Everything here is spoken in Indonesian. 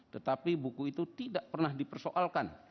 tetapi buku itu tidak pernah dipersoalkan